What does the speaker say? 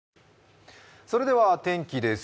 それでは天気です。